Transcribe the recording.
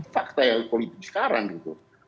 fakta yang politik sekarang